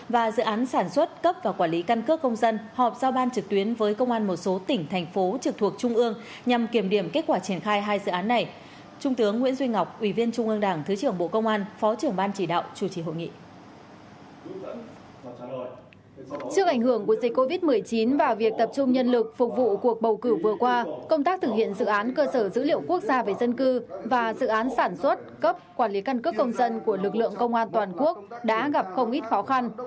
và dự án sản xuất cấp quản lý căn cước công dân của lực lượng công an toàn quốc đã gặp không ít khó khăn